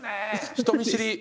人見知り。